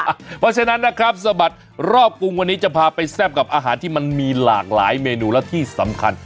เพราะฉะนั้นนะครับสะบัดรอบกรุงวันนี้จะพาไปแซ่บกับอาหารที่มันมีหลากหลายเมนูและที่สำคัญ